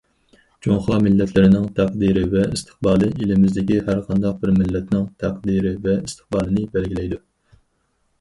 جۇڭخۇا مىللەتلىرىنىڭ تەقدىرى ۋە ئىستىقبالى ئېلىمىزدىكى ھەرقانداق بىر مىللەتنىڭ تەقدىرى ۋە ئىستىقبالىنى بەلگىلەيدۇ.